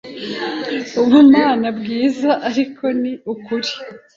ubumana bwiza, ariko ni ukuri. ”